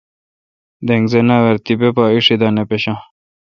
دینگ زناور تہ تیپہ اݭی دا نہ پشان۔